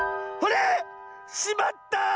あれ⁉しまった！